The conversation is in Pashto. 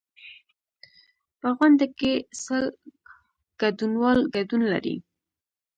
په غونډه کې سل ګډونوال ګډون لري.